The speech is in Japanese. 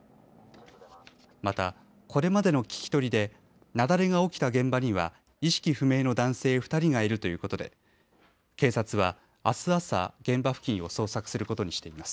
また、これまでの聞き取りで雪崩が起きた現場には意識不明の男性２人がいるということで警察は、あす朝現場付近を捜索することにしています。